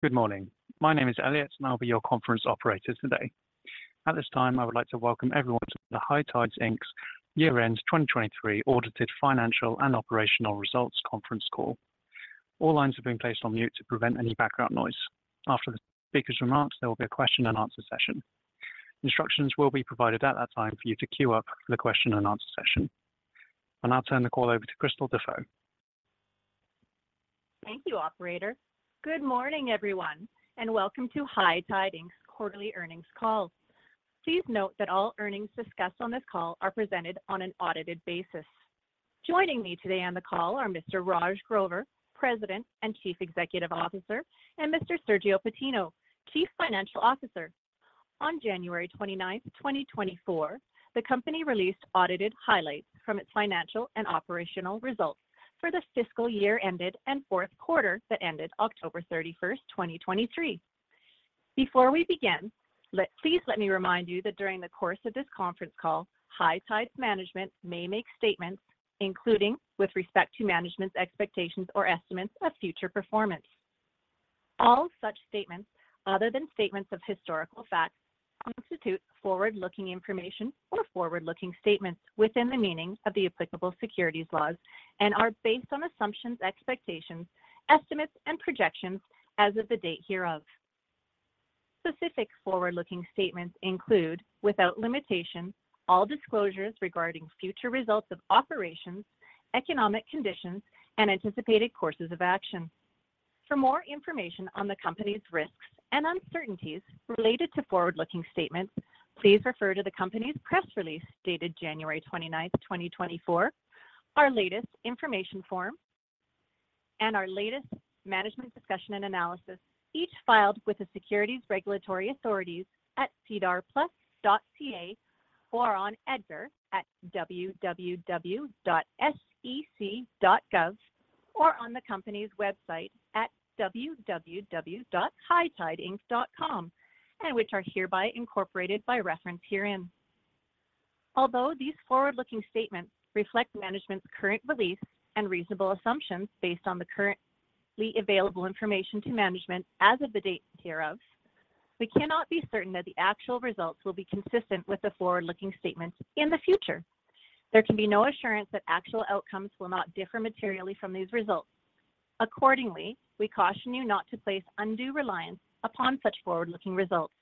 Good morning. My name is Elliot, and I'll be your conference operator today. At this time, I would like to welcome everyone to the High Tide Inc's year-end 2023 audited financial and operational results conference call. All lines have been placed on mute to prevent any background noise. After the speaker's remarks, there will be a question and answer session. Instructions will be provided at that time for you to queue up for the question and answer session. I'll turn the call over to Krystal Dafoe. Thank you, operator. Good morning, everyone, and welcome to High Tide Inc.'s quarterly earnings call. Please note that all earnings discussed on this call are presented on an audited basis. Joining me today on the call are Mr. Raj Grover, President and Chief Executive Officer, and Mr. Sergio Patino, Chief Financial Officer. On January 29th, 2024, the company released audited highlights from its financial and operational results for the fiscal year ended, and fourth quarter that ended October 31st, 2023. Before we begin, please let me remind you that during the course of this conference call, High Tide management may make statements, including with respect to management's expectations or estimates of future performance. All such statements, other than statements of historical facts, constitute forward-looking information or forward-looking statements within the meaning of the applicable securities laws and are based on assumptions, expectations, estimates, and projections as of the date hereof. Specific forward-looking statements include, without limitation, all disclosures regarding future results of operations, economic conditions, and anticipated courses of action. For more information on the company's risks and uncertainties related to forward-looking statements, please refer to the company's press release dated January 29, 2024, our latest information form, and our latest management discussion and analysis, each filed with the securities regulatory authorities at sedarplus.ca, or on EDGAR at www.sec.gov, or on the company's website at www.hightideinc.com, and which are hereby incorporated by reference herein. Although these forward-looking statements reflect management's current beliefs and reasonable assumptions based on the currently available information to management as of the date hereof, we cannot be certain that the actual results will be consistent with the forward-looking statements in the future. There can be no assurance that actual outcomes will not differ materially from these results. Accordingly, we caution you not to place undue reliance upon such forward-looking results.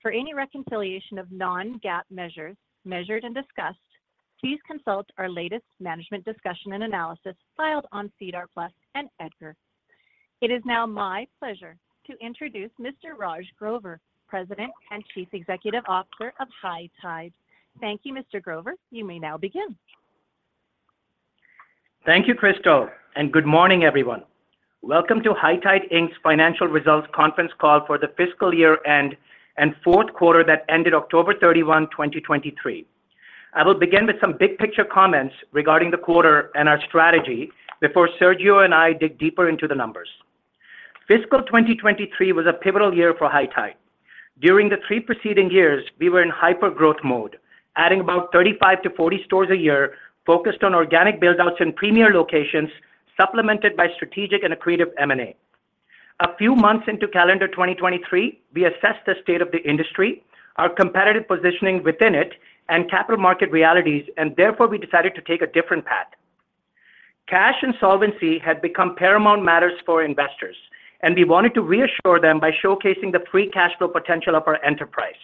For any reconciliation of non-GAAP measures, measured and discussed, please consult our latest Management Discussion and Analysis filed on SEDAR+ and EDGAR. It is now my pleasure to introduce Mr. Raj Grover, President and Chief Executive Officer of High Tide. Thank you, Mr. Grover. You may now begin. Thank you, Krystal, and good morning, everyone. Welcome to High Tide Inc.'s Financial Results Conference Call for the fiscal year-end and fourth quarter that ended October 31, 2023. I will begin with some big-picture comments regarding the quarter and our strategy before Sergio and I dig deeper into the numbers. Fiscal 2023 was a pivotal year for High Tide. During the three preceding years, we were in hyper-growth mode, adding about 35-40 stores a year, focused on organic build-outs in premier locations, supplemented by strategic and accretive M&A. A few months into calendar 2023, we assessed the state of the industry, our competitive positioning within it, and capital market realities, and therefore we decided to take a different path. Cash and solvency had become paramount matters for investors, and we wanted to reassure them by showcasing the free cash flow potential of our enterprise.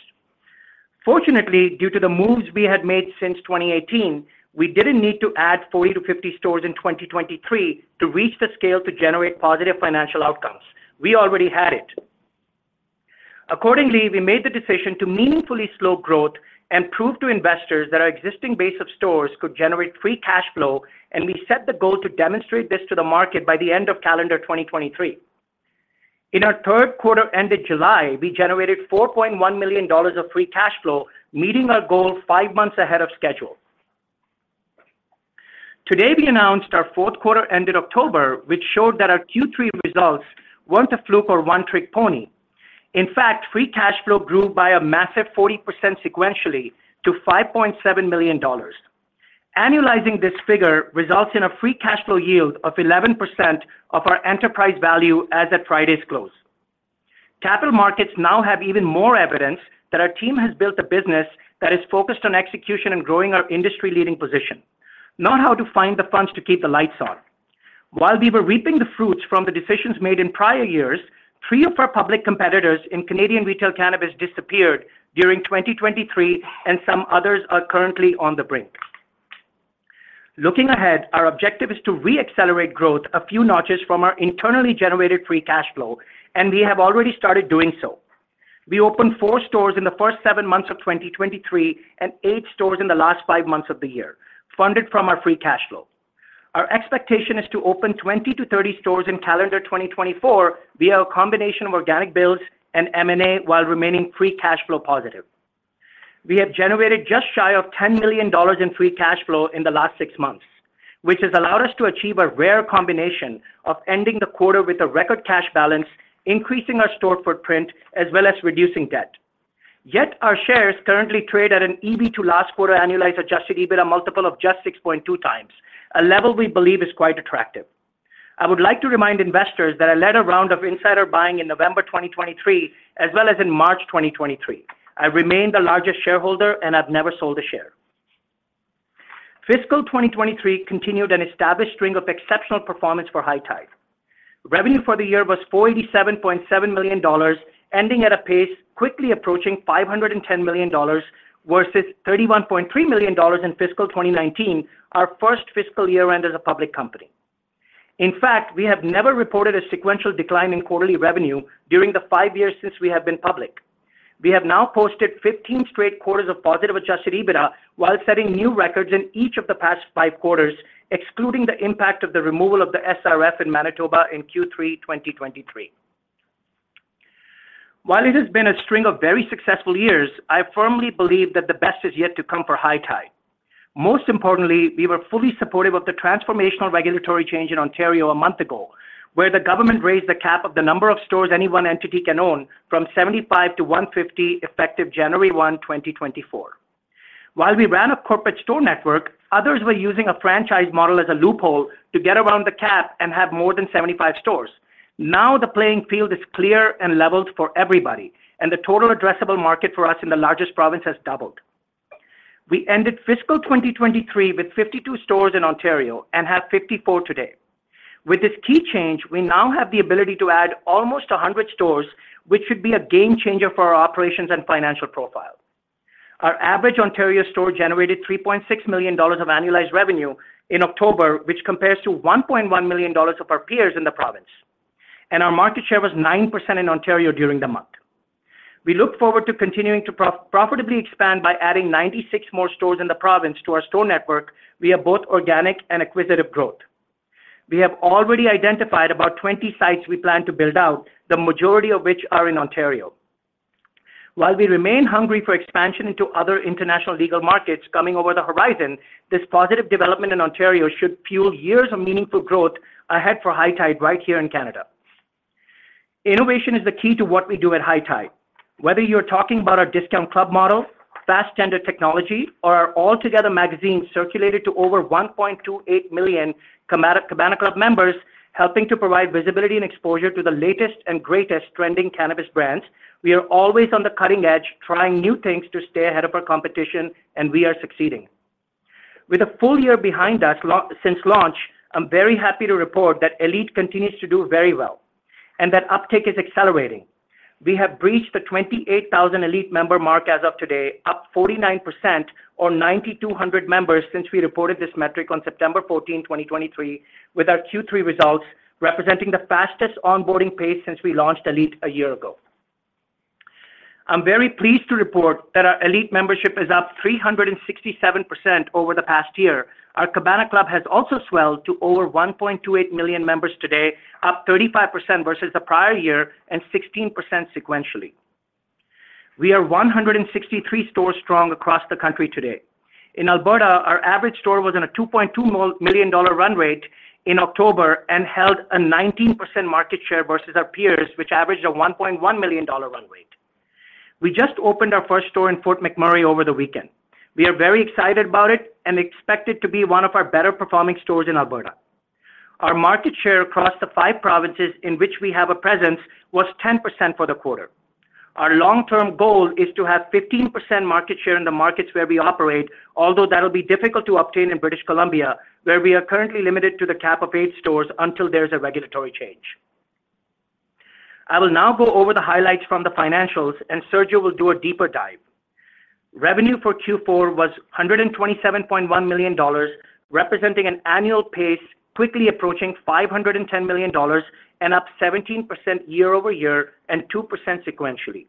Fortunately, due to the moves we had made since 2018, we didn't need to add 40-50 stores in 2023 to reach the scale to generate positive financial outcomes. We already had it. Accordingly, we made the decision to meaningfully slow growth and prove to investors that our existing base of stores could generate free cash flow, and we set the goal to demonstrate this to the market by the end of calendar 2023. In our third quarter, ended July, we generated 4.1 million dollars of free cash flow, meeting our goal five months ahead of schedule. Today, we announced our fourth quarter, ended October, which showed that our Q3 results weren't a fluke or one-trick pony. In fact, free cash flow grew by a massive 40% sequentially to 5.7 million dollars. Annualizing this figure results in a free cash flow yield of 11% of our enterprise value as at Friday's close. Capital markets now have even more evidence that our team has built a business that is focused on execution and growing our industry-leading position, not how to find the funds to keep the lights on. While we were reaping the fruits from the decisions made in prior years, three of our public competitors in Canadian retail cannabis disappeared during 2023, and some others are currently on the brink. Looking ahead, our objective is to re-accelerate growth a few notches from our internally generated free cash flow, and we have already started doing so. We opened four stores in the first seven months of 2023 and eight stores in the last five months of the year, funded from our free cash flow. Our expectation is to open 20-30 stores in calendar 2024 via a combination of organic builds and M&A while remaining free cash flow positive. We have generated just shy of 10 million dollars in free cash flow in the last six months, which has allowed us to achieve a rare combination of ending the quarter with a record cash balance, increasing our store footprint, as well as reducing debt. Yet our shares currently trade at an EV to last quarter annualized adjusted EBITDA multiple of just 6.2x, a level we believe is quite attractive. I would like to remind investors that I led a round of insider buying in November 2023, as well as in March 2023. I remain the largest shareholder, and I've never sold a share. Fiscal 2023 continued an established string of exceptional performance for High Tide. Revenue for the year was CAD $487.7 million, ending at a pace quickly approaching CAD $510 million, versus CAD $31.3 million in fiscal 2019, our first fiscal year end as a public company. In fact, we have never reported a sequential decline in quarterly revenue during the five years since we have been public. We have now posted 15 straight quarters of positive Adjusted EBITDA, while setting new records in each of the past five quarters, excluding the impact of the removal of the SRF in Manitoba in Q3 2023. While it has been a string of very successful years, I firmly believe that the best is yet to come for High Tide. Most importantly, we were fully supportive of the transformational regulatory change in Ontario a month ago, where the government raised the cap of the number of stores any one entity can own from 75 to 150, effective January 1, 2024. While we ran a corporate store network, others were using a franchise model as a loophole to get around the cap and have more than 75 stores. Now, the playing field is clear and leveled for everybody, and the total addressable market for us in the largest province has doubled. We ended fiscal 2023 with 52 stores in Ontario and have 54 today. With this key change, we now have the ability to add almost 100 stores, which should be a game changer for our operations and financial profile. Our average Ontario store generated 3.6 million dollars of annualized revenue in October, which compares to 1.1 million dollars of our peers in the province, and our market share was 9% in Ontario during the month. We look forward to continuing to profitably expand by adding 96 more stores in the province to our store network via both organic and acquisitive growth. We have already identified about 20 sites we plan to build out, the majority of which are in Ontario. While we remain hungry for expansion into other international legal markets coming over the horizon, this positive development in Ontario should fuel years of meaningful growth ahead for High Tide right here in Canada. Innovation is the key to what we do at High Tide. Whether you're talking about our Discount Club model, Fastendr technology, or our All Together magazine circulated to over 1.28 million Cabana Club members, helping to provide visibility and exposure to the latest and greatest trending cannabis brands, we are always on the cutting edge, trying new things to stay ahead of our competition, and we are succeeding. With a full year behind us since launch, I'm very happy to report that ELITE continues to do very well and that uptake is accelerating. We have breached the 28,000 ELITE member mark as of today, up 49% or 9,200 members since we reported this metric on September 14, 2023, with our Q3 results, representing the fastest onboarding pace since we launched ELITE a year ago. I'm very pleased to report that our ELITE membership is up 367% over the past year. Our Cabana Club has also swelled to over 1.28 million members today, up 35% versus the prior year and 16% sequentially. We are 163 stores strong across the country today. In Alberta, our average store was in a 2.2-million dollar run rate in October and held a 19% market share versus our peers, which averaged a 1.1-million dollar run rate. We just opened our first store in Fort McMurray over the weekend. We are very excited about it and expect it to be one of our better performing stores in Alberta. Our market share across the 5 provinces in which we have a presence was 10% for the quarter. Our long-term goal is to have 15% market share in the markets where we operate, although that'll be difficult to obtain in British Columbia, where we are currently limited to the cap of 8 stores until there's a regulatory change. I will now go over the highlights from the financials, and Sergio will do a deeper dive. Revenue for Q4 was 127.1 million dollars, representing an annual pace, quickly approaching 510 million dollars and up 17% year-over-year and 2% sequentially.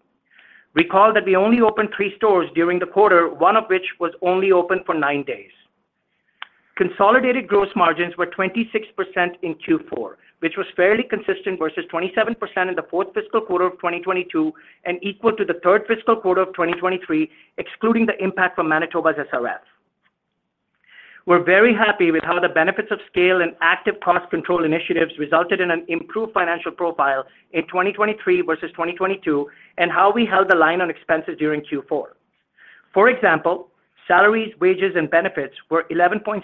Recall that we only opened three stores during the quarter, one of which was only open for nine days. Consolidated gross margins were 26% in Q4, which was fairly consistent versus 27% in the fourth fiscal quarter of 2022 and equal to the third fiscal quarter of 2023, excluding the impact from Manitoba's SRF. We're very happy with how the benefits of scale and active cost control initiatives resulted in an improved financial profile in 2023 versus 2022, and how we held the line on expenses during Q4. For example, salaries, wages, and benefits were 11.6%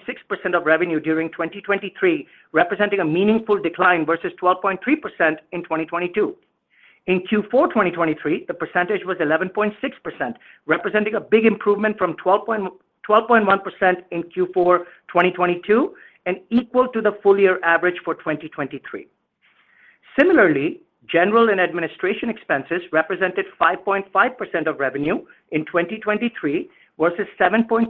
of revenue during 2023, representing a meaningful decline versus 12.3% in 2022. In Q4, 2023, the percentage was 11.6%, representing a big improvement from 12.1% in Q4, 2022, and equal to the full year average for 2023. Similarly, general and administrative expenses represented 5.5% of revenue in 2023, versus 7.3%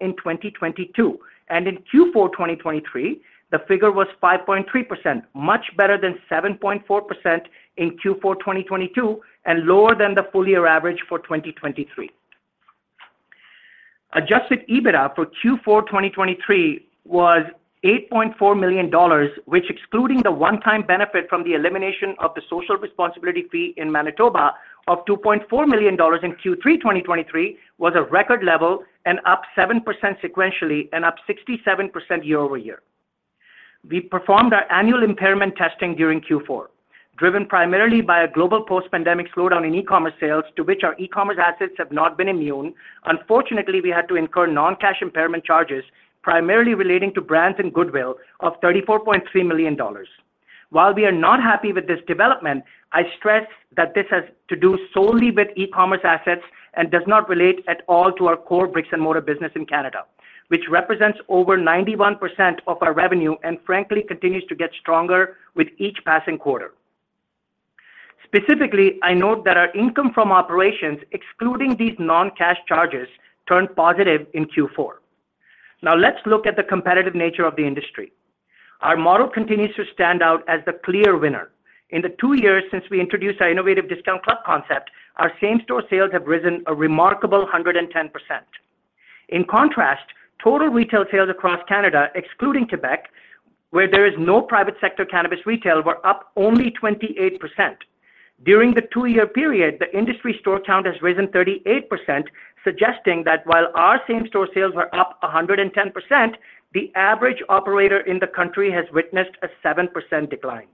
in 2022. And in Q4, 2023, the figure was 5.3%, much better than 7.4% in Q4, 2022, and lower than the full year average for 2023. Adjusted EBITDA for Q4, 2023, was 8.4 million dollars, which excluding the one-time benefit from the elimination of the social responsibility fee in Manitoba of 2.4 million dollars in Q3, 2023, was a record level and up 7% sequentially and up 67% year-over-year. We performed our annual impairment testing during Q4, driven primarily by a global post-pandemic slowdown in e-commerce sales, to which our e-commerce assets have not been immune. Unfortunately, we had to incur non-cash impairment charges, primarily relating to brands and goodwill of 34.3 million dollars. While we are not happy with this development, I stress that this has to do solely with e-commerce assets and does not relate at all to our core brick-and-mortar business in Canada, which represents over 91% of our revenue, and frankly, continues to get stronger with each passing quarter. Specifically, I note that our income from operations, excluding these non-cash charges, turned positive in Q4. Now, let's look at the competitive nature of the industry. Our model continues to stand out as the clear winner. In the two years since we introduced our innovative discount club concept, our same-store sales have risen a remarkable 110%. In contrast, total retail sales across Canada, excluding Quebec, where there is no private sector cannabis retail, were up only 28%. During the two-year period, the industry store count has risen 38%, suggesting that while our same-store sales were up 110%, the average operator in the country has witnessed a 7% decline.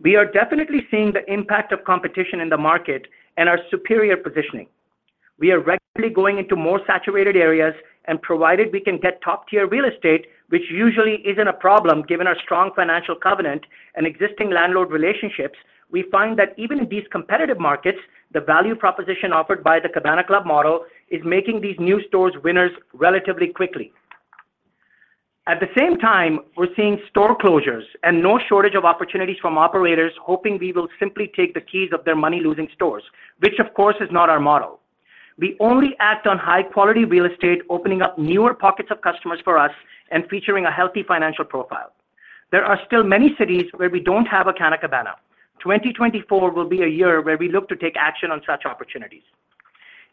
We are definitely seeing the impact of competition in the market and our superior positioning. We are regularly going into more saturated areas and provided we can get top-tier real estate, which usually isn't a problem, given our strong financial covenant and existing landlord relationships, we find that even in these competitive markets, the value proposition offered by the Canna Cabana Club model is making these new stores winners relatively quickly. At the same time, we're seeing store closures and no shortage of opportunities from operators hoping we will simply take the keys of their money-losing stores, which, of course, is not our model. We only act on high-quality real estate, opening up newer pockets of customers for us and featuring a healthy financial profile. There are still many cities where we don't have a Canna Cabana. 2024 will be a year where we look to take action on such opportunities.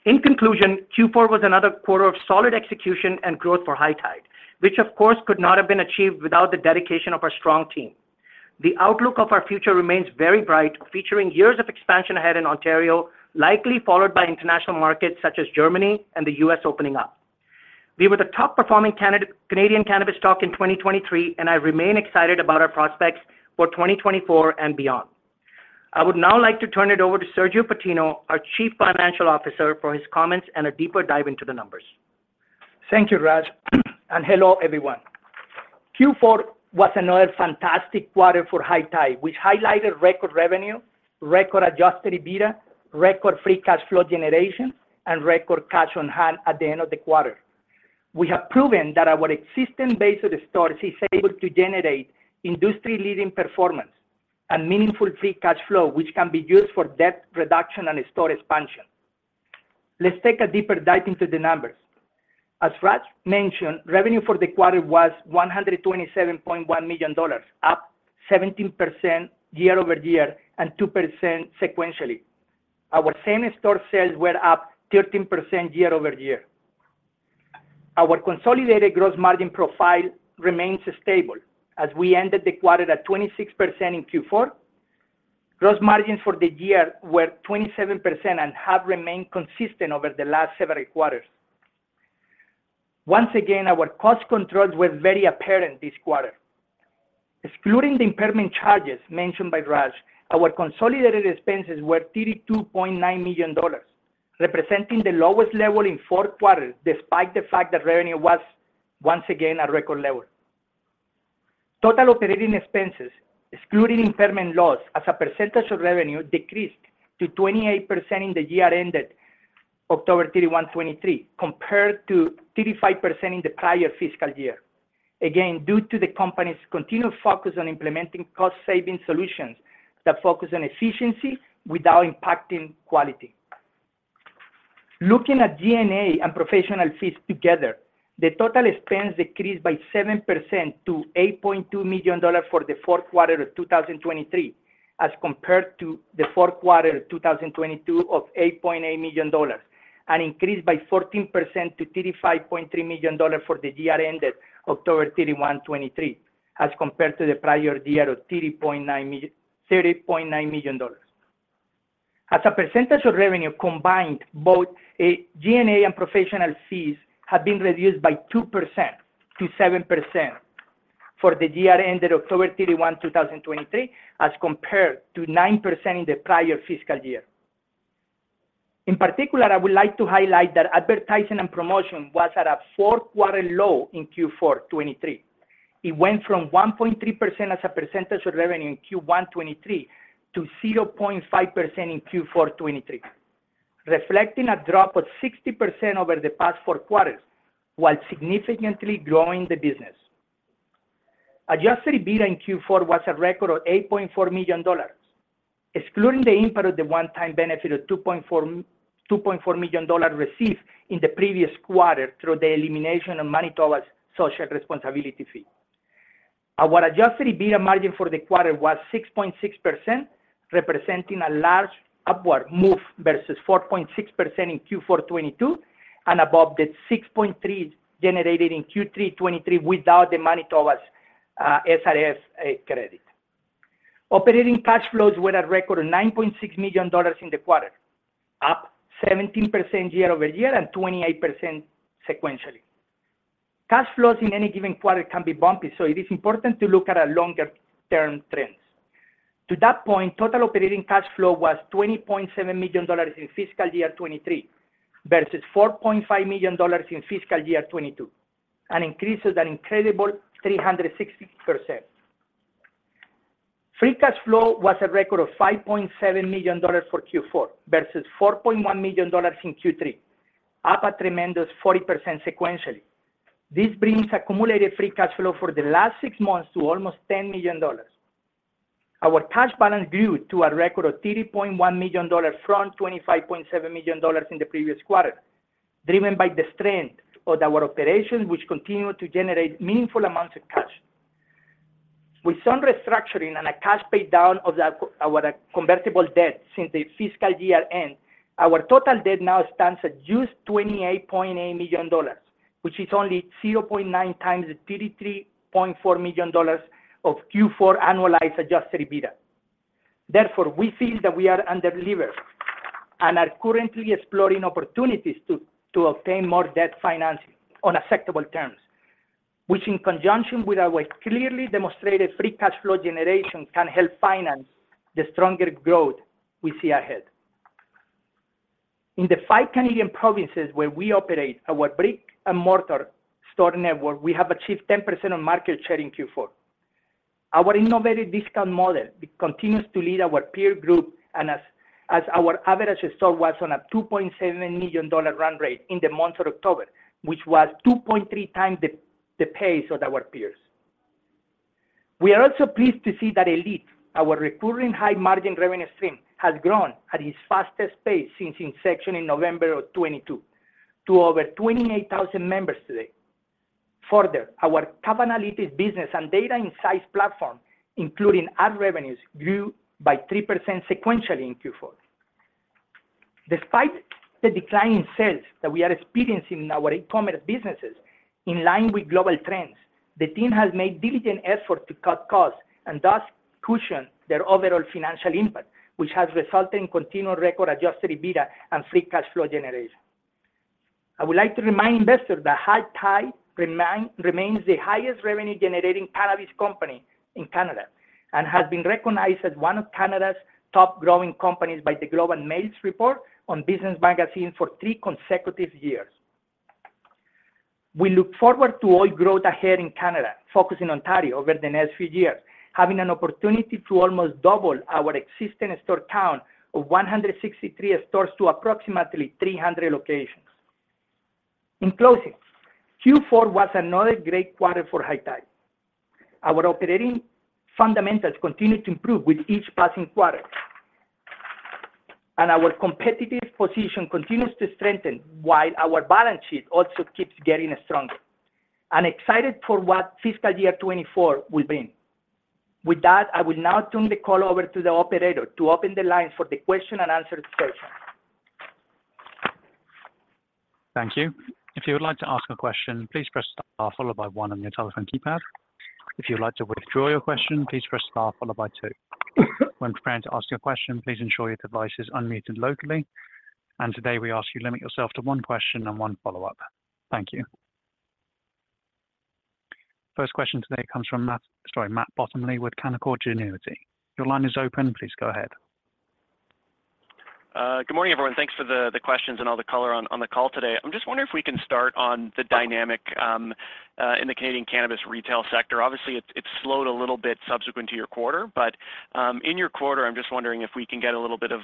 In conclusion, Q4 was another quarter of solid execution and growth for High Tide, which of course, could not have been achieved without the dedication of our strong team. The outlook of our future remains very bright, featuring years of expansion ahead in Ontario, likely followed by international markets such as Germany and the US opening up. We were the top-performing Canadian cannabis stock in 2023, and I remain excited about our prospects for 2024 and beyond. I would now like to turn it over to Sergio Patino, our Chief Financial Officer, for his comments and a deeper dive into the numbers. Thank you, Raj, and hello, everyone. Q4 was another fantastic quarter for High Tide, which highlighted record revenue, record Adjusted EBITDA, record Free Cash Flow generation, and record cash on hand at the end of the quarter. We have proven that our existing base of the stores is able to generate industry-leading performance and meaningful Free Cash Flow, which can be used for debt reduction and store expansion. Let's take a deeper dive into the numbers. As Raj mentioned, revenue for the quarter was 127.1 million dollars, up 17% year-over-year and 2% sequentially. Our Same-Store Sales were up 13% year-over-year. Our consolidated gross margin profile remains stable as we ended the quarter at 26% in Q4. Gross margins for the year were 27% and have remained consistent over the last several quarters. Once again, our cost controls were very apparent this quarter. Excluding the impairment charges mentioned by Raj, our consolidated expenses were 32.9 million dollars, representing the lowest level in 4 quarters, despite the fact that revenue was once again at record level. Total operating expenses, excluding impairment loss as a percentage of revenue, decreased to 28% in the year ended October 31, 2023, compared to 35% in the prior fiscal year. Again, due to the company's continued focus on implementing cost-saving solutions that focus on efficiency without impacting quality. Looking at G&A and professional fees together, the total expense decreased by 7% to 8.2 million dollars for the fourth quarter of 2023, as compared to the fourth quarter of 2022 of 8.8 million dollars, and increased by 14% to 35.3 million dollars for the year ended October 31, 2023, as compared to the prior year of 30.9 million dollars. As a percentage of revenue combined, both G&A and professional fees have been reduced by 2% to 7% for the year ended October 31, 2023, as compared to 9% in the prior fiscal year. In particular, I would like to highlight that advertising and promotion was at a fourth-quarter low in Q4 2023. It went from 1.3% as a percentage of revenue in Q1 2023 to 0.5% in Q4 2023, reflecting a drop of 60% over the past four quarters, while significantly growing the business. Adjusted EBITDA in Q4 was a record of 8.4 million dollars, excluding the impact of the one-time benefit of 2.4, 2.4 million dollars received in the previous quarter through the elimination of Manitoba's Social Responsibility Fee. Our adjusted EBITDA margin for the quarter was 6.6%, representing a large upward move versus 4.6% in Q4 2022 and above the 6.3% generated in Q3 2023 without Manitoba's SRF credit. Operating cash flows were at a record of 9.6 million dollars in the quarter, 17% year-over-year, and 28% sequentially. Cash flows in any given quarter can be bumpy, so it is important to look at our longer term trends. To that point, total operating cash flow was 20.7 million dollars in fiscal year 2023, versus 4.5 million dollars in fiscal year 2022, an increase of an incredible 360%. Free cash flow was a record of 5.7 million dollars for Q4, versus 4.1 million dollars in Q3, up a tremendous 40% sequentially. This brings accumulated free cash flow for the last six months to almost 10 million dollars. Our cash balance grew to a record of 30.1 million dollars from 25.7 million dollars in the previous quarter, driven by the strength of our operations, which continue to generate meaningful amounts of cash. With some restructuring and a cash pay down of our convertible debt since the fiscal year end, our total debt now stands at just 28.8 million dollars, which is only 0.9 times the 33.4 million dollars of Q4 annualized Adjusted EBITDA. Therefore, we feel that we are under-leveraged, and are currently exploring opportunities to obtain more debt financing on acceptable terms, which in conjunction with our clearly demonstrated free cash flow generation, can help finance the stronger growth we see ahead. In the five Canadian provinces where we operate our brick-and-mortar store network, we have achieved 10% of market share in Q4. Our innovative discount model continues to lead our peer group, and as our average store was on a 2.7 million dollar run rate in the month of October, which was 2.3 times the pace of our peers. We are also pleased to see that ELITE, our recurring high-margin revenue stream, has grown at its fastest pace since inception in November 2022 to over 28,000 members today. Further, our top analytics business and data insights platform, including ad revenues, grew by 3% sequentially in Q4. Despite the decline in sales that we are experiencing in our e-commerce businesses, in line with global trends, the team has made diligent efforts to cut costs and thus cushion their overall financial impact, which has resulted in continual record Adjusted EBITDA and Free Cash Flow generation. I would like to remind investors that High Tide remains the highest revenue-generating cannabis company in Canada, and has been recognized as one of Canada's top growing companies by the Globe and Mail's Report on Business magazine for three consecutive years. We look forward to all growth ahead in Canada, focusing on Ontario over the next few years, having an opportunity to almost double our existing store count of 163 stores to approximately 300 locations. In closing, Q4 was another great quarter for High Tide. Our operating fundamentals continue to improve with each passing quarter. Our competitive position continues to strengthen, while our balance sheet also keeps getting stronger. I'm excited for what fiscal year 2024 will bring. With that, I will now turn the call over to the operator to open the line for the question and answer session. Thank you. If you would like to ask a question, please press star, followed by one on your telephone keypad. If you'd like to withdraw your question, please press star followed by two. When preparing to ask your question, please ensure your device is unmuted locally, and today, we ask you to limit yourself to one question and one follow-up. Thank you. First question today comes from Matt, sorry, Matt Bottomley with Canaccord Genuity. Your line is open. Please go ahead. Good morning, everyone. Thanks for the questions and all the color on the call today. I'm just wondering if we can start on the dynamic in the Canadian cannabis retail sector. Obviously, it slowed a little bit subsequent to your quarter, but in your quarter, I'm just wondering if we can get a little bit of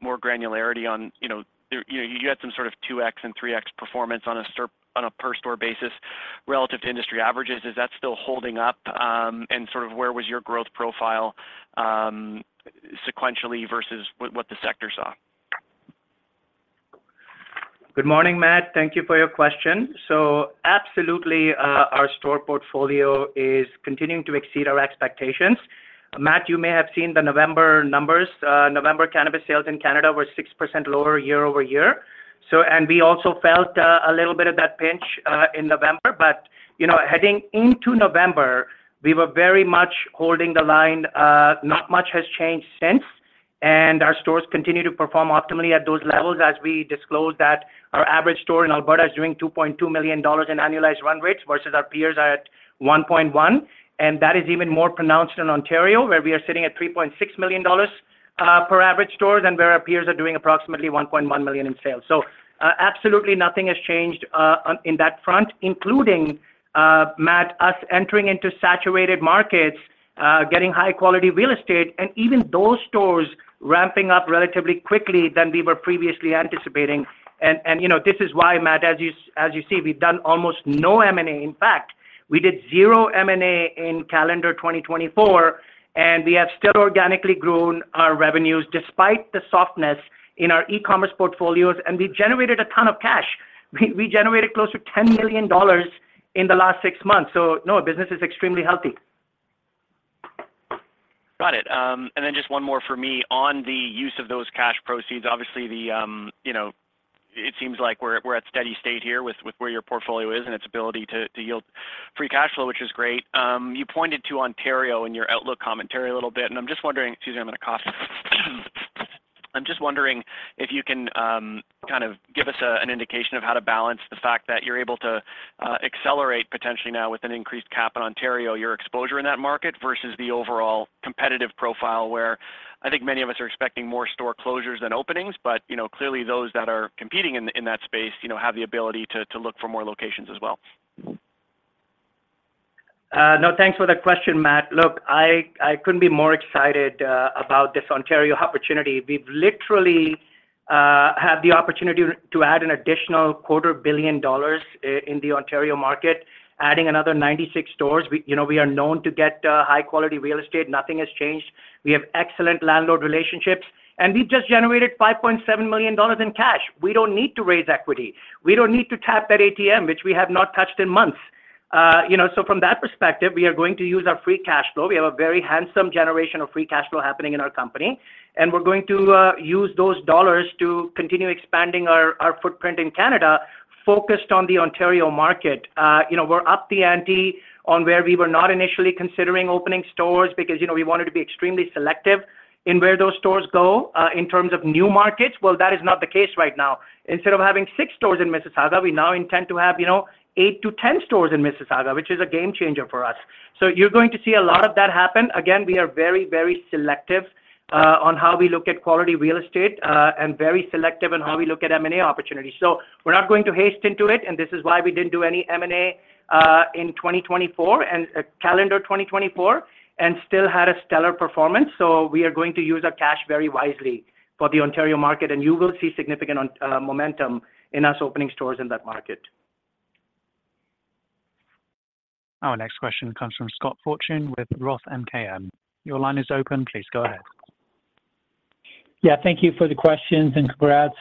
more granularity on, you know, you had some sort of 2x and 3x performance on a per store basis relative to industry averages. Is that still holding up? And sort of where was your growth profile, sequentially versus what the sector saw? Good morning, Matt. Thank you for your question. So absolutely, our store portfolio is continuing to exceed our expectations. Matt, you may have seen the November numbers. November cannabis sales in Canada were 6% lower year-over-year. So, and we also felt a little bit of that pinch in November. But, you know, heading into November, we were very much holding the line. Not much has changed since, and our stores continue to perform optimally at those levels. As we disclosed that our average store in Alberta is doing 2.2 million dollars in annualized run rates versus our peers are at 1.1. And that is even more pronounced in Ontario, where we are sitting at 3.6 million dollars per average store, than where our peers are doing approximately 1.1 million in sales. So, absolutely nothing has changed on, in that front, including Matt, us entering into saturated markets, getting high quality real estate, and even those stores ramping up relatively quickly than we were previously anticipating. And you know, this is why, Matt, as you see, we've done almost no M&A. In fact, we did zero M&A in calendar 2024, and we have still organically grown our revenues despite the softness in our e-commerce portfolios, and we generated a ton of cash. We generated close to 10 million dollars in the last six months. So no, business is extremely healthy. Got it. And then just one more for me on the use of those cash proceeds. Obviously, the, you know-It seems like we're at steady state here with where your portfolio is and its ability to yield free cash flow, which is great. You pointed to Ontario in your outlook commentary a little bit, and I'm just wondering. Excuse me, I'm gonna cough. I'm just wondering if you can kind of give us an indication of how to balance the fact that you're able to accelerate potentially now with an increased cap in Ontario, your exposure in that market, versus the overall competitive profile, where I think many of us are expecting more store closures than openings. But, you know, clearly those that are competing in that space, you know, have the ability to look for more locations as well. No, thanks for the question, Matt. Look, I couldn't be more excited about this Ontario opportunity. We've literally had the opportunity to add an additional 250 million dollars in the Ontario market, adding another 96 stores. You know, we are known to get high quality real estate. Nothing has changed. We have excellent landlord relationships, and we've just generated 5.7 million dollars in cash. We don't need to raise equity. We don't need to tap that ATM, which we have not touched in months. You know, so from that perspective, we are going to use our free cash flow. We have a very handsome generation of free cash flow happening in our company, and we're going to use those dollars to continue expanding our footprint in Canada, focused on the Ontario market. You know, we're up the ante on where we were not initially considering opening stores because, you know, we wanted to be extremely selective in where those stores go in terms of new markets. Well, that is not the case right now. Instead of having six stores in Mississauga, we now intend to have, you know, 8-10 stores in Mississauga, which is a game changer for us. So you're going to see a lot of that happen. Again, we are very, very selective on how we look at quality real estate and very selective on how we look at M&A opportunities. So we're not going to hasten into it, and this is why we didn't do any M&A in 2024, and calendar 2024, and still had a stellar performance. We are going to use our cash very wisely for the Ontario market, and you will see significant momentum in us opening stores in that market. Our next question comes from Scott Fortune with ROTH MKM. Your line is open. Please go ahead. Yeah, thank you for the questions, and congrats.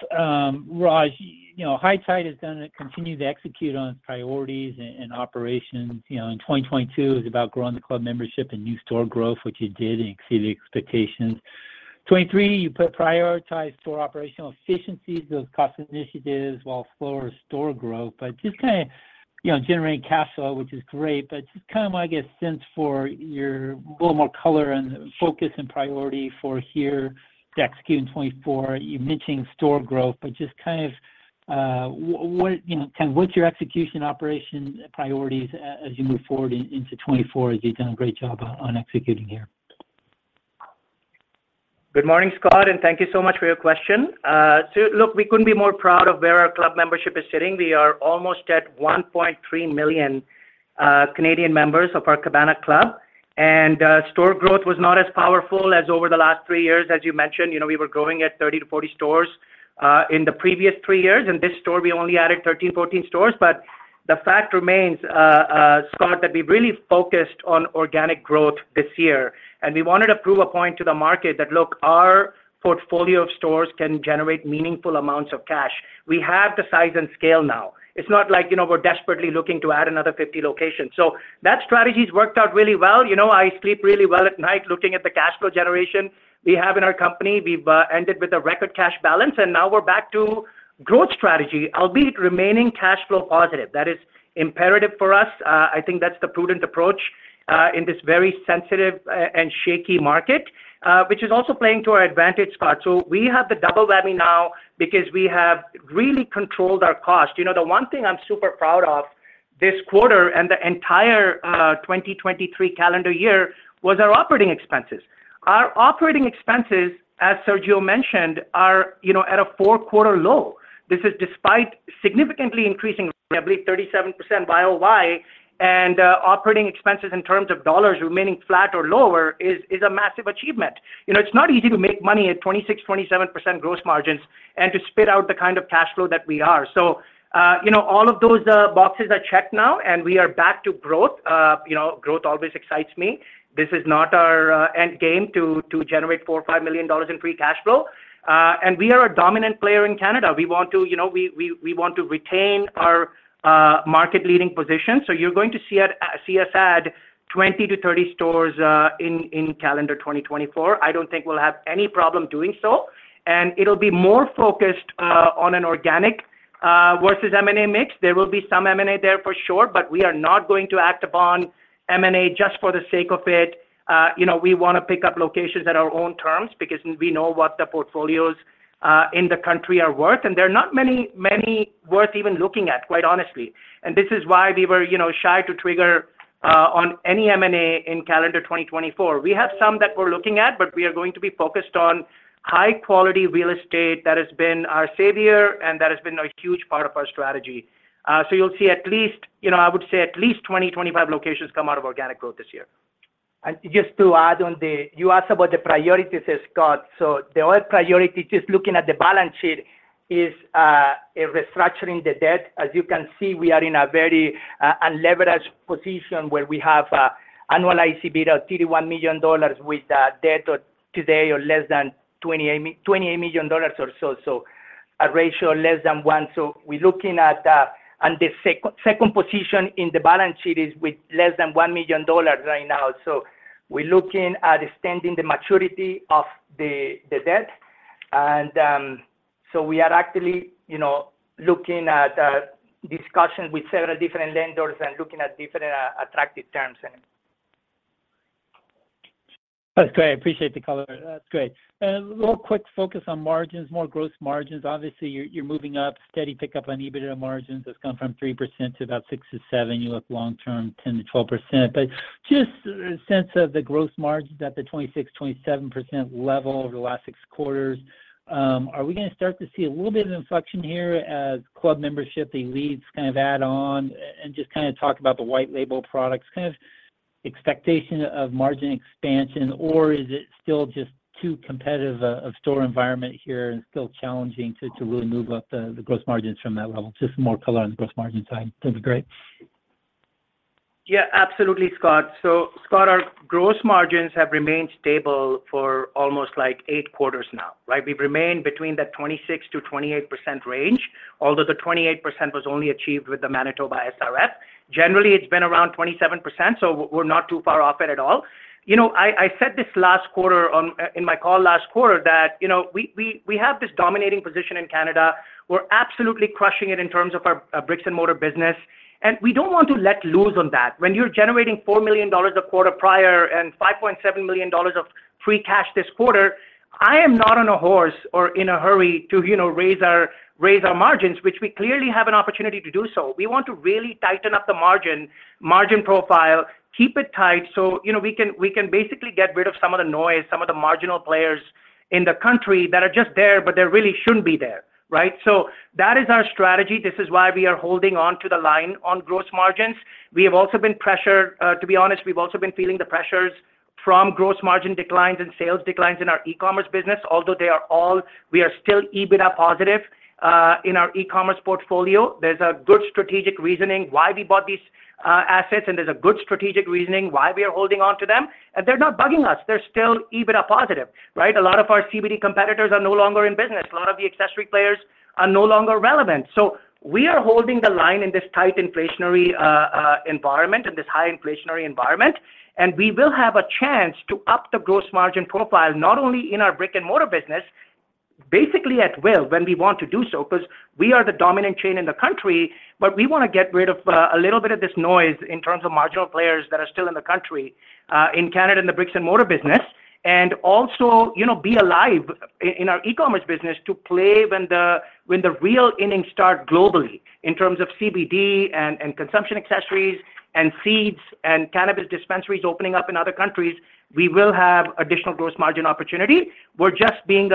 Raj, you know, High Tide has done and continued to execute on priorities and operations. You know, in 2022, it was about growing the club membership and new store growth, which you did and exceeded expectations. 2023, you put prioritize store operational efficiencies, those cost initiatives while slower store growth, but just kinda, you know, generating cash flow, which is great, but just kinda wanna get a sense for your little more color and focus and priority for here to execute in 2024. You're mentioning store growth, but just kind of, what, you know, kind of what's your execution operation priorities as you move forward into 2024, as you've done a great job on, on executing here? Good morning, Scott, and thank you so much for your question. So look, we couldn't be more proud of where our club membership is sitting. We are almost at 1.3 million Canadian members of our Cabana Club, and store growth was not as powerful as over the last three years, as you mentioned. You know, we were growing at 30-40 stores in the previous three years. In this store, we only added 13, 14 stores, but the fact remains, Scott, that we really focused on organic growth this year, and we wanted to prove a point to the market that, look, our portfolio of stores can generate meaningful amounts of cash. We have the size and scale now. It's not like, you know, we're desperately looking to add another 50 locations. So that strategy's worked out really well. You know, I sleep really well at night looking at the cash flow generation we have in our company. We've ended with a record cash balance, and now we're back to growth strategy, albeit remaining cash flow positive. That is imperative for us. I think that's the prudent approach in this very sensitive and shaky market, which is also playing to our advantage, Scott. So we have the double whammy now because we have really controlled our cost. You know, the one thing I'm super proud of this quarter and the entire 2023 calendar year was our operating expenses. Our operating expenses, as Sergio mentioned, are, you know, at a four-quarter low. This is despite significantly increasing, I believe, 37% YoY and operating expenses in terms of dollars remaining flat or lower is a massive achievement. You know, it's not easy to make money at 26%-27% gross margins and to spit out the kind of cash flow that we are. So, you know, all of those boxes are checked now, and we are back to growth. You know, growth always excites me. This is not our end game to generate 4 million or 5 million dollars in free cash flow. And we are a dominant player in Canada. We want to, you know, we want to retain our market-leading position, so you're going to see us add 20-30 stores in calendar 2024. I don't think we'll have any problem doing so, and it'll be more focused on an organic versus M&A mix. There will be some M&A there for sure, but we are not going to act upon M&A just for the sake of it. You know, we wanna pick up locations at our own terms because we know what the portfolios in the country are worth, and there are not many, many worth even looking at, quite honestly. This is why we were, you know, shy to trigger on any M&A in calendar 2024. We have some that we're looking at, but we are going to be focused on high quality real estate. That has been our savior, and that has been a huge part of our strategy. So you'll see at least, you know, I would say at least 20-25 locations come out of organic growth this year. And just to add on the. You asked about the priorities, Scott. So the other priority, just looking at the balance sheet, is restructuring the debt. As you can see, we are in a very unleveraged position, where we have annualizing EBITDA, 31 million dollars with debt of today or less than 28 million dollars or so. So a ratio less than one. So We're looking at extending the maturity of the debt, and so we are actively, you know, looking at discussions with several different lenders and looking at different attractive terms then. That's great. I appreciate the color. That's great. And a little quick focus on margins, more gross margins. Obviously, you're, you're moving up, steady pickup on EBITDA margins. It's gone from 3% to about 6%-7%. You look long-term, 10%-12%, but just a sense of the gross margins at the 26%-27% level over the last six quarters, are we gonna start to see a little bit of inflection here as club membership, the leads kind of add on, and just kind of talk about the white label products, kind of expectation of margin expansion, or is it still just too competitive a, a store environment here and still challenging to, to really move up the, the gross margins from that level? Just more color on the gross margin side. That'd be great. Yeah, absolutely, Scott. So Scott, our gross margins have remained stable for almost, like, eight quarters now, right? We've remained between that 26%-28% range, although the 28% was only achieved with the Manitoba SRF. Generally, it's been around 27%, so we're not too far off it at all. You know, I said this last quarter on my call last quarter, that, you know, we, we, we have this dominating position in Canada. We're absolutely crushing it in terms of our brick-and-mortar business, and we don't want to let loose on that. When you're generating 4 million dollars a quarter prior and 5.7 million dollars of free cash this quarter, I am not on a horse or in a hurry to, you know, raise our, raise our margins, which we clearly have an opportunity to do so. We want to really tighten up the margin, margin profile, keep it tight, so, you know, we can, we can basically get rid of some of the noise, some of the marginal players in the country that are just there, but they really shouldn't be there, right? So that is our strategy. This is why we are holding on to the line on gross margins. We have also been pressured, to be honest, we've also been feeling the pressures from gross margin declines and sales declines in our e-commerce business, although they are all, we are still EBITDA positive, in our e-commerce portfolio. There's a good strategic reasoning why we bought these assets, and there's a good strategic reasoning why we are holding onto them. And they're not bugging us, they're still EBITDA positive, right? A lot of our CBD competitors are no longer in business. A lot of the accessory players are no longer relevant. So we are holding the line in this tight inflationary environment, in this high inflationary environment, and we will have a chance to up the gross margin profile, not only in our brick-and-mortar business, basically at will, when we want to do so, 'cause we are the dominant chain in the country. But we wanna get rid of a little bit of this noise in terms of marginal players that are still in the country, in Canada, in the brick-and-mortar business, and also, you know, be alive in our e-commerce business to play when the real innings start globally. In terms of CBD, and consumption accessories, and seeds, and cannabis dispensaries opening up in other countries, we will have additional gross margin opportunity. We're just being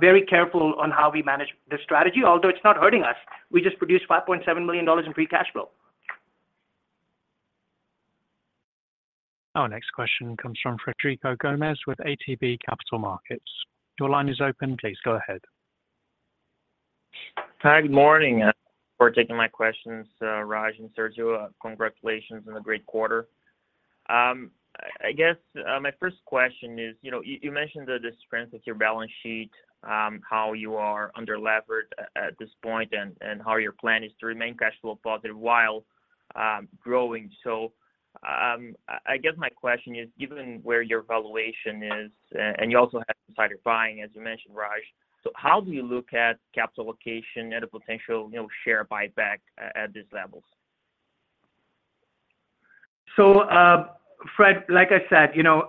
very careful on how we manage the strategy, although it's not hurting us. We just produced 5.7 million dollars in free cash flow. Our next question comes from Federico Gomes with ATB Capital Markets. Your line is open, please go ahead. Hi, good morning, and for taking my questions, Raj and Sergio. Congratulations on the great quarter. I guess my first question is, you know, you mentioned the strength of your balance sheet, how you are under-levered at this point, and how your plan is to remain cash flow positive while growing. So, I guess my question is, given where your valuation is, and you also have insider buying, as you mentioned, Raj, so how do you look at capital allocation and a potential, you know, share buyback at these levels? So, Fred, like I said, you know,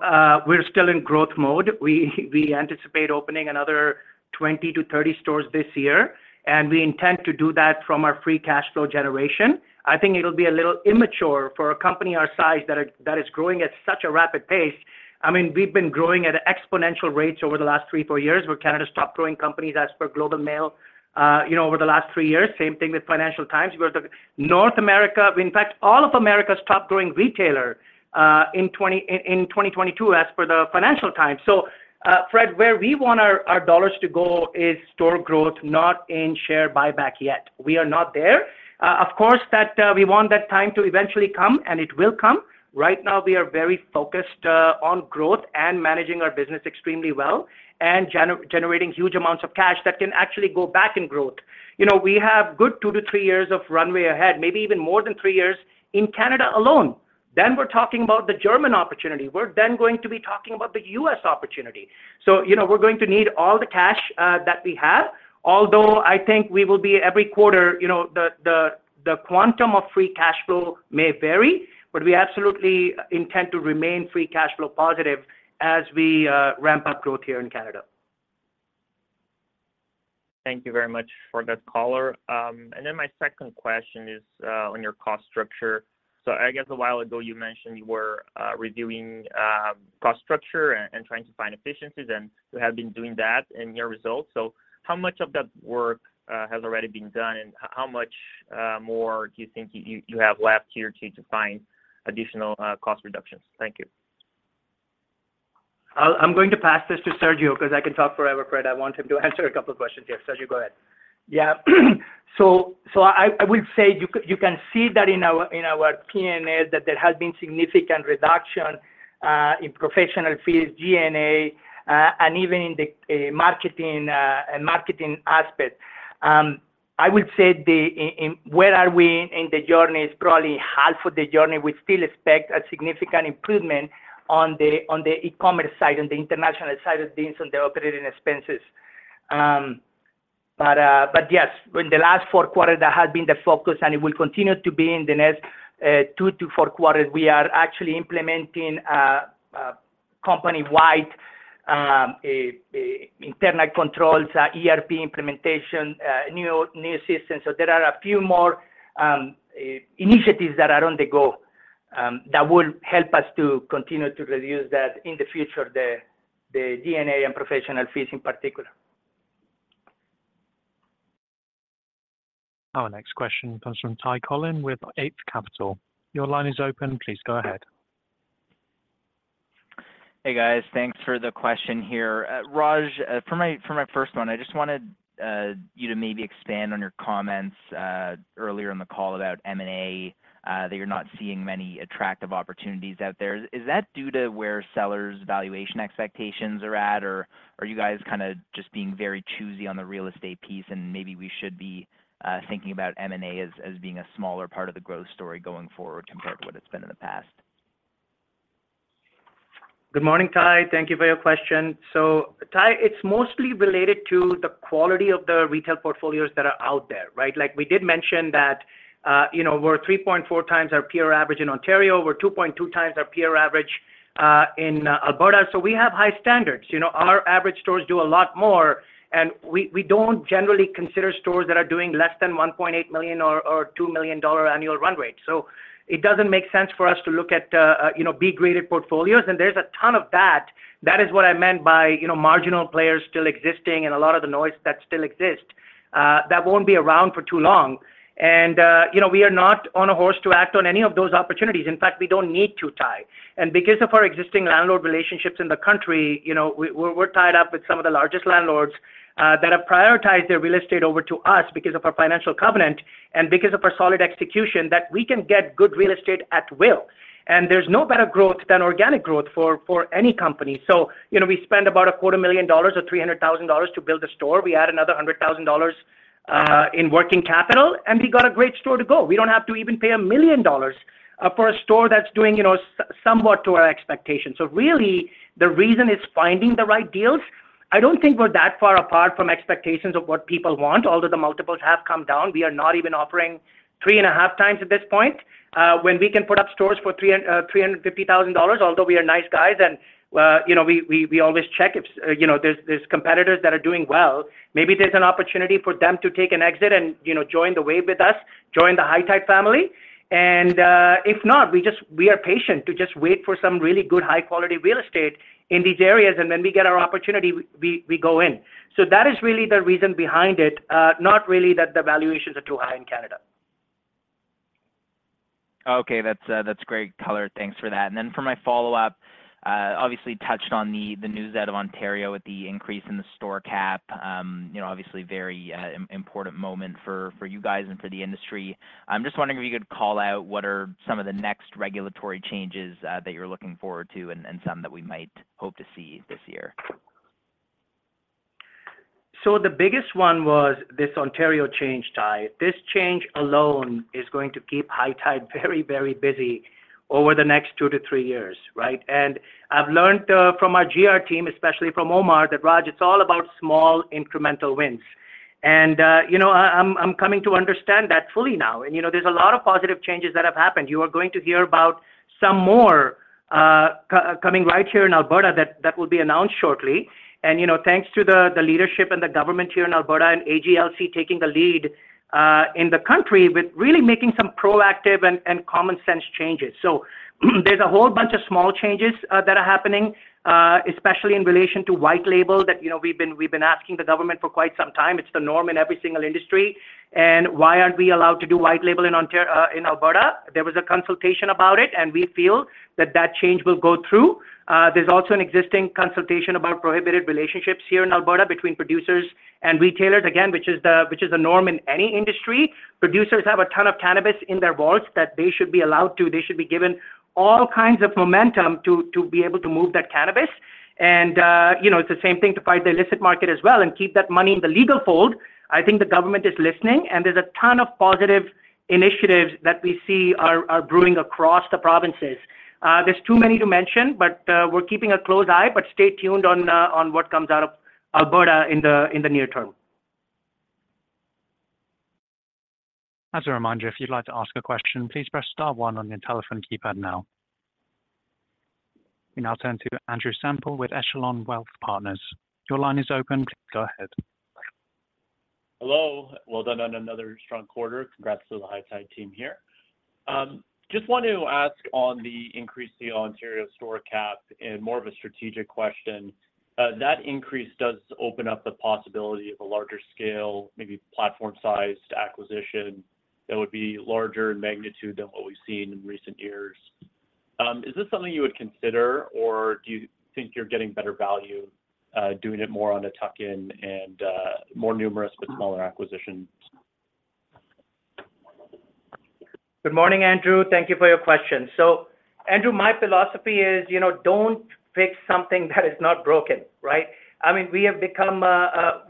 we're still in growth mode. We anticipate opening another 20-30 stores this year, and we intend to do that from our free cash flow generation. I think it'll be a little immature for a company our size that is growing at such a rapid pace. I mean, we've been growing at an exponential rate over the last three to four years. We're Canada's top growing company as per Globe and Mail, you know, over the last three years. Same thing with Financial Times. We're the North American. In fact, all of America's top growing retailer in 2022, as per the Financial Times. So, Fred, where we want our dollars to go is store growth, not in share buyback yet. We are not there. Of course, that we want that time to eventually come, and it will come. Right now, we are very focused on growth and managing our business extremely well, and generating huge amounts of cash that can actually go back in growth. You know, we have good two to three years of runway ahead, maybe even more than three years in Canada alone. Then we're talking about the German opportunity. We're then going to be talking about the U.S. opportunity. So, you know, we're going to need all the cash that we have, although I think we will be every quarter, you know, the, the, the quantum of Free Cash Flow may vary, but we absolutely intend to remain Free Cash Flow positive as we ramp up growth here in Canada. Thank you very much for that color. And then my second question is on your cost structure. So I guess a while ago you mentioned you were reviewing cost structure and trying to find efficiencies, and you have been doing that in your results. So how much of that work has already been done, and how much more do you think you have left here to find additional cost reductions? Thank you. I'm going to pass this to Sergio, 'cause I can talk forever, Fred. I want him to answer a couple of questions here. Sergio, go ahead. Yeah. So I would say you can see that in our P&L that there has been significant reduction in professional fees, G&A, and even in the marketing and marketing aspect. I would say the where are we in the journey is probably half of the journey. We still expect a significant improvement on the e-commerce side and the international side of things and the operating expenses. But, but yes, in the last 4 quarters, that has been the focus, and it will continue to be in the next two to four quarters. We are actually implementing company-wide a internal controls ERP implementation new systems. So there are a few more initiatives that are on the go that will help us to continue to reduce that in the future, the G&A and professional fees in particular. Our next question comes from Ty Collin with Eight Capital. Your line is open. Please go ahead. Hey, guys. Thanks for the question here. Raj, for my first one, I just wanted you to maybe expand on your comments earlier in the call about M&A, that you're not seeing many attractive opportunities out there. Is that due to where sellers' valuation expectations are at, or are you guys kind of just being very choosy on the real estate piece, and maybe we should be thinking about M&A as being a smaller part of the growth story going forward compared to what it's been in the past? Good morning, Ty. Thank you for your question. So Ty, it's mostly related to the quality of the retail portfolios that are out there, right? Like, we did mention that, you know, we're 3.4 times our peer average in Ontario. We're 2.2 times our peer average in Alberta, so we have high standards. You know, our average stores do a lot more, and we don't generally consider stores that are doing less than 1.8 million or 2 million dollar annual run rate. So it doesn't make sense for us to look at, you know, B-graded portfolios, and there's a ton of that. That is what I meant by, you know, marginal players still existing and a lot of the noise that still exist that won't be around for too long. you know, we are not on a horse to act on any of those opportunities. In fact, we don't need to, Ty. And because of our existing landlord relationships in the country, you know, we're tied up with some of the largest landlords that have prioritized their real estate over to us because of our financial covenant and because of our solid execution, that we can get good real estate at will. And there's no better growth than organic growth for any company. So, you know, we spend about 250,000 dollars or 300,000 dollars to build a store. We add another 100,000 dollars in working capital, and we got a great store to go. We don't have to even pay 1 million dollars for a store that's doing, you know, somewhat to our expectations. So really, the reason is finding the right deals. I don't think we're that far apart from expectations of what people want. Although the multiples have come down, we are not even offering 3.5x at this point, when we can put up stores for 350,000 dollars. Although we are nice guys, and, you know, we always check if, you know, there's competitors that are doing well, maybe there's an opportunity for them to take an exit and, you know, join the wave with us, join the High Tide family. And, if not, we just, we are patient to just wait for some really good, high quality real estate in these areas, and when we get our opportunity, we go in. So that is really the reason behind it, not really that the valuations are too high in Canada. Okay. That's, that's great color. Thanks for that. And then for my follow-up, obviously touched on the news out of Ontario with the increase in the store cap. You know, obviously very important moment for you guys and for the industry. I'm just wondering if you could call out what are some of the next regulatory changes that you're looking forward to and some that we might hope to see this year. So the biggest one was this Ontario change, Ty. This change alone is going to keep High Tide very, very busy over the next two to three years, right? And I've learned from our GR team, especially from Omar, that, "Raj, it's all about small, incremental wins." And you know, I'm coming to understand that fully now. And you know, there's a lot of positive changes that have happened. You are going to hear about some more coming right here in Alberta, that will be announced shortly. And you know, thanks to the leadership and the government here in Alberta and AGLC taking the lead in the country with really making some proactive and common sense changes. So there's a whole bunch of small changes that are happening, especially in relation to white label, that, you know, we've been asking the government for quite some time. It's the norm in every single industry, and why aren't we allowed to do white label in Alberta? There was a consultation about it, and we feel that that change will go through. There's also an existing consultation about prohibited relationships here in Alberta between producers and retailers, again, which is the norm in any industry. Producers have a ton of cannabis in their vaults that they should be allowed to. They should be given all kinds of momentum to be able to move that cannabis. And you know, it's the same thing to fight the illicit market as well and keep that money in the legal fold. I think the government is listening, and there's a ton of positive initiatives that we see are brewing across the provinces. There's too many to mention, but we're keeping a close eye. But stay tuned on what comes out of Alberta in the near term. As a reminder, if you'd like to ask a question, please press star one on your telephone keypad now. We now turn to Andrew Sample with Echelon Wealth Partners. Your line is open. Go ahead. Hello. Well done on another strong quarter. Congrats to the High Tide team here. Just wanted to ask on the increase to the Ontario store cap and more of a strategic question. That increase does open up the possibility of a larger scale, maybe platform-sized acquisition that would be larger in magnitude than what we've seen in recent years. Is this something you would consider, or do you think you're getting better value, doing it more on a tuck-in and, more numerous but smaller acquisitions? Good morning, Andrew. Thank you for your question. So, Andrew, my philosophy is, you know, don't fix something that is not broken, right? I mean, we have become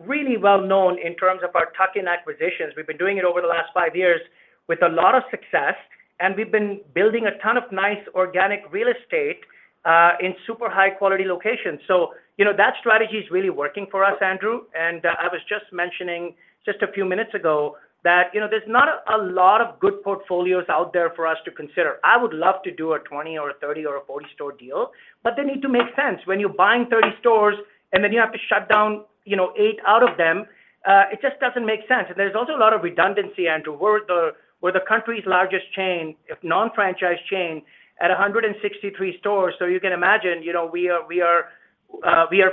really well known in terms of our tuck-in acquisitions. We've been doing it over the last five years with a lot of success, and we've been building a ton of nice organic real estate in super high quality locations. So, you know, that strategy is really working for us, Andrew, and I was just mentioning just a few minutes ago that, you know, there's not a lot of good portfolios out there for us to consider. I would love to do a 20 or a 30 or a 40-store deal, but they need to make sense. When you're buying 30 stores and then you have to shut down, you know, eight out of them, it just doesn't make sense. There's also a lot of redundancy, Andrew. We're the country's largest chain, our non-franchise chain at 163 stores, so you can imagine, you know, we are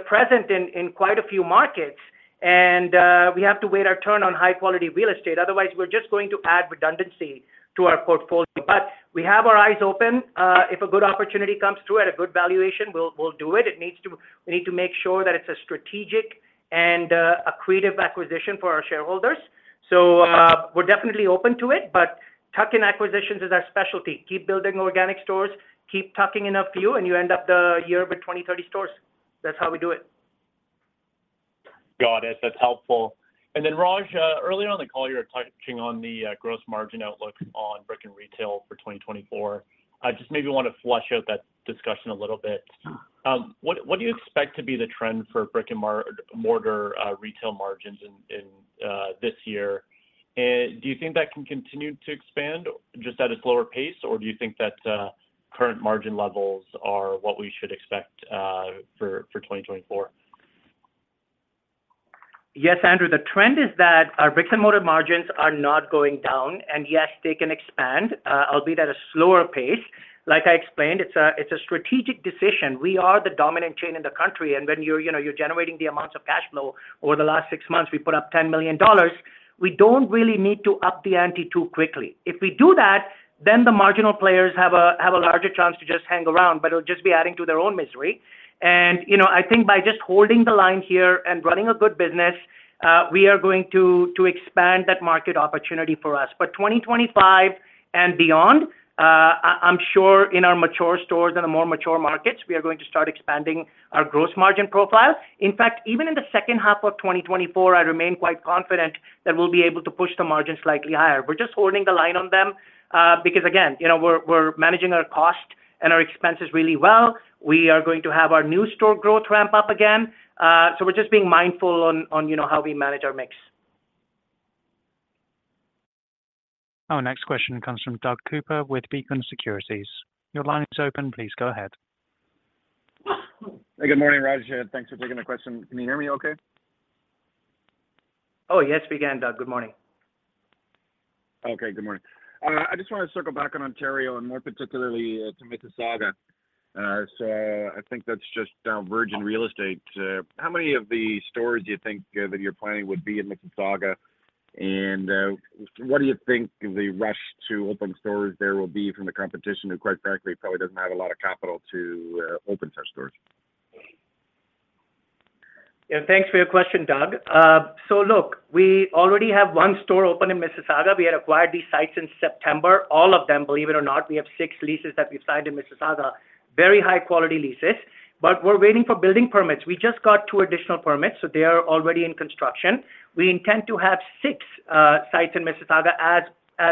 present in quite a few markets, and we have to wait our turn on high-quality real estate, otherwise, we're just going to add redundancy to our portfolio. We have our eyes open. If a good opportunity comes through at a good valuation, we'll do it. It needs to, we need to make sure that it's a strategic and accretive acquisition for our shareholders. We're definitely open to it, but tuck-in acquisitions is our specialty. Keep building organic stores, keep tucking in a few, and you end up the year with 20, 30 stores. That's how we do it. Got it. That's helpful. And then, Raj, earlier on the call, you were touching on the gross margin outlook on brick-and-retail for 2024. I just maybe wanna flesh out that discussion a little bit. Sure. What do you expect to be the trend for brick-and-mortar retail margins in this year? And do you think that can continue to expand just at a slower pace, or do you think that current margin levels are what we should expect for 2024? Yes, Andrew, the trend is that our brick-and-mortar margins are not going down, and yes, they can expand, albeit at a slower pace. Like I explained, it's a strategic decision. We are the dominant chain in the country, and when you're, you know, you're generating the amounts of cash flow, over the last six months, we put up 10 million dollars, we don't really need to up the ante too quickly. If we do that, then the marginal players have a larger chance to just hang around, but it'll just be adding to their own misery. And, you know, I think by just holding the line here and running a good business, we are going to expand that market opportunity for us. But 2025 and beyond, I, I'm sure in our mature stores and the more mature markets, we are going to start expanding our gross margin profile. In fact, even in the second half of 2024, I remain quite confident that we'll be able to push the margin slightly higher. We're just holding the line on them, because, again, you know, we're, we're managing our cost and our expenses really well. We are going to have our new store growth ramp up again. So we're just being mindful on, on, you know, how we manage our mix. Our next question comes from Doug Cooper with Beacon Securities. Your line is open. Please go ahead. Hey, good morning, Raj. Thanks for taking the question. Can you hear me okay? Oh, yes, we can, Doug. Good morning. Okay. Good morning. I just wanna circle back on Ontario and more particularly, to Mississauga. So I think that's just down virgin real estate. How many of the stores do you think that you're planning would be in Mississauga? And, what do you think the rush to open stores there will be from the competition, who, quite frankly, probably doesn't have a lot of capital to open such stores? Yeah, thanks for your question, Doug. So look, we already have 1 store open in Mississauga. We had acquired these sites in September, all of them, believe it or not. We have six leases that we've signed in Mississauga, very high-quality leases, but we're waiting for building permits. We just got two additional permits, so they are already in construction. We intend to have six sites in Mississauga as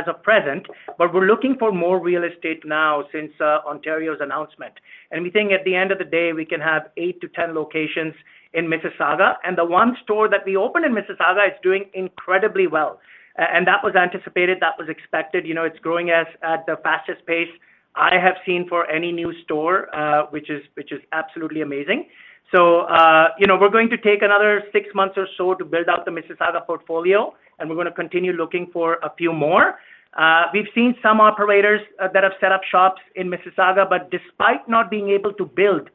of present, but we're looking for more real estate now since Ontario's announcement. And we think at the end of the day, we can have eight to 10 locations in Mississauga, and the 1 store that we opened in Mississauga is doing incredibly well. And that was anticipated, that was expected. You know, it's growing at the fastest pace I have seen for any new store, which is absolutely amazing. So, you know, we're going to take another six months or so to build out the Mississauga portfolio, and we're gonna continue looking for a few more. We've seen some operators that have set up shops in Mississauga, but despite not being able to build,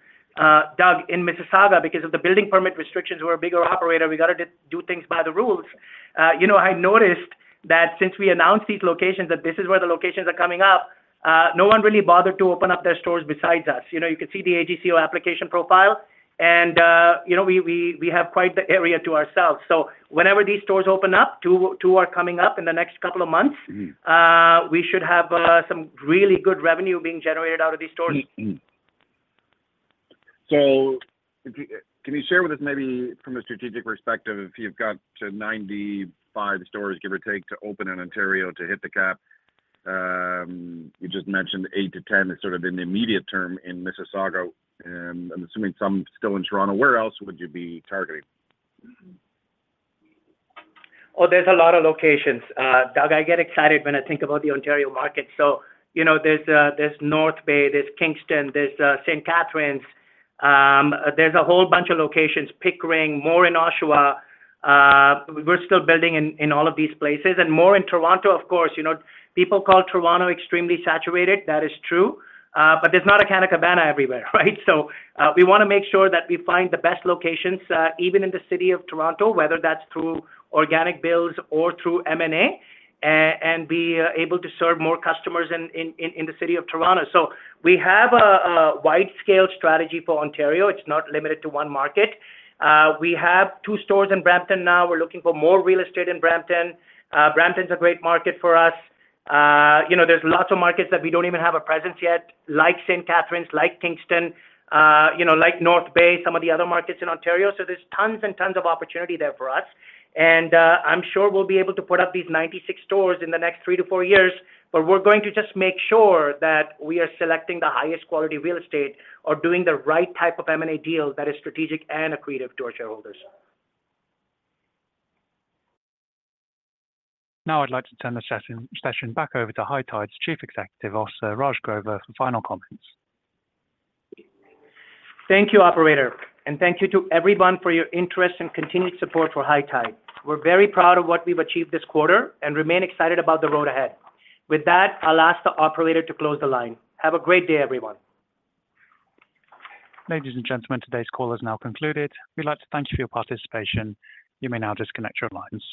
Doug, in Mississauga, because of the building permit restrictions, we're a bigger operator, we gotta do things by the rules. You know, I noticed that since we announced these locations, that this is where the locations are coming up, no one really bothered to open up their stores besides us. You know, you can see the AGCO application profile and, you know, we have quite the area to ourselves. So whenever these stores open up, two are coming up in the next couple of months. Mm-hmm. We should have some really good revenue being generated out of these stores. Mm-hmm. So can you share with us, maybe from a strategic perspective, if you've got to 95 stores, give or take, to open in Ontario to hit the cap? You just mentioned 8-10 as sort of in the immediate term in Mississauga, and I'm assuming some still in Toronto. Where else would you be targeting? Oh, there's a lot of locations. Doug, I get excited when I think about the Ontario market. So, you know, there's North Bay, there's Kingston, there's St. Catharines. There's a whole bunch of locations, Pickering, more in Oshawa. We're still building in all of these places, and more in Toronto, of course. You know, people call Toronto extremely saturated. That is true, but there's not a Canna Cabana everywhere, right? So, we wanna make sure that we find the best locations, even in the city of Toronto, whether that's through organic builds or through M&A, and be able to serve more customers in the city of Toronto. So we have a widescale strategy for Ontario. It's not limited to one market. We have two stores in Brampton now. We're looking for more real estate in Brampton. Brampton's a great market for us. You know, there's lots of markets that we don't even have a presence yet, like St. Catharines, like Kingston, you know, like North Bay, some of the other markets in Ontario. So there's tons and tons of opportunity there for us, and, I'm sure we'll be able to put up these 96 stores in the next three to four years. But we're going to just make sure that we are selecting the highest quality real estate or doing the right type of M&A deal that is strategic and accretive to our shareholders. Now, I'd like to turn the session back over to High Tide's Chief Executive Officer, Raj Grover, for final comments. Thank you, operator, and thank you to everyone for your interest and continued support for High Tide. We're very proud of what we've achieved this quarter and remain excited about the road ahead. With that, I'll ask the operator to close the line. Have a great day, everyone. Ladies and gentlemen, today's call is now concluded. We'd like to thank you for your participation. You may now disconnect your lines.